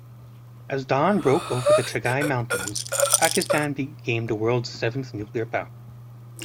As dawn broke over the Chagai mountains, Pakistan became the world's seventh nuclear power.